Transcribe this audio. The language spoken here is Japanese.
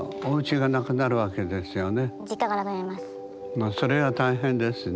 ただそれは大変ですね。